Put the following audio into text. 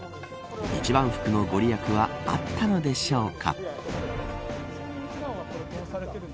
一番福の御利益はあったのでしょうか。